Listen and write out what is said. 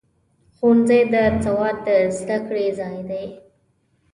ښوونځی د سواد د زده کړې ځای دی.